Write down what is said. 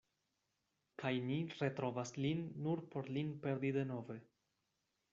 Kaj ni retrovas lin nur por lin perdi denove.